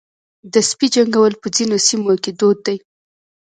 د سپي جنګول په ځینو سیمو کې دود دی.